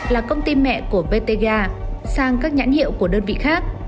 là công ty mẹ của btega sang các nhãn hiệu của đơn vị khác